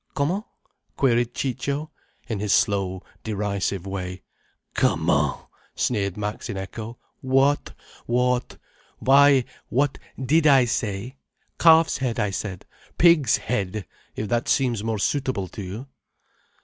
"Comment?" queried Ciccio, in his slow, derisive way. "Comment!" sneered Max, in echo. "What? What? Why what did I say? Calf's head I said. Pig's head, if that seems more suitable to you."